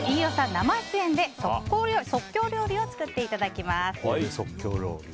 生出演で即興料理を作っていただきます。